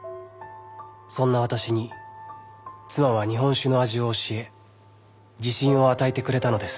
「そんな私に妻は日本酒の味を教え自信を与えてくれたのです」